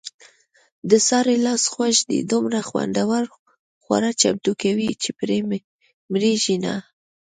د سارې لاس خوږ دی دومره خوندور خواړه چمتو کوي، چې پرې مړېږي نه.